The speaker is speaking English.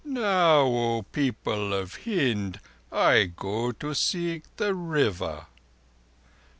"Now, O people of Hind, I go to seek that River.